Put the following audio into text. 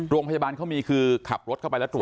โรงพยาบาลเขามีคือขับรถเข้าไปแล้วตรวจ